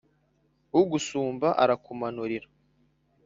Ugusumba arakumanurira.